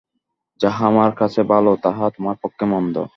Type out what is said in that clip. যাহা আমার কাছে ভাল, তাহা তোমার পক্ষে মন্দ।